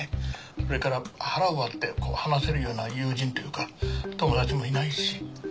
それから腹割って話せるような友人というか友達もいないし。